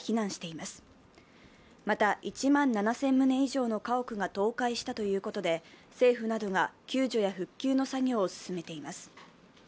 また１万７０００棟以上の家屋が倒壊したということで政府などが救助や復旧の作業を進めています。